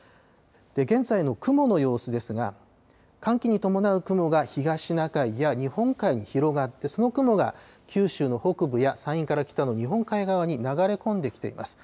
現在の雲の様子ですが、寒気に伴う雲が東シナ海や日本海に広がって、その雲が九州の北部や山陰から北の日本海側に流れ込んできています。